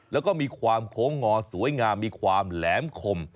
แล้วก็มีความโค้งงอสวยงามมีความแหลมคม